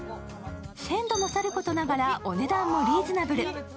鮮度も去ることながらお値段もリーズナブル。